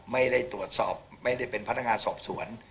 ไม่ได้ตรวจสอบไม่ได้เป็นพนักงานสอบสวน